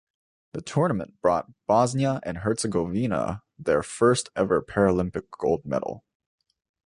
The tournament brought Bosnia and Herzegovina their first ever Paralympic gold medal.